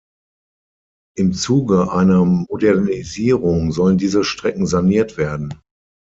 Im Zuge einer Modernisierung sollen diese Strecken saniert werden.